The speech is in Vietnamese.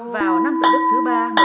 vào năm tự đức thứ ba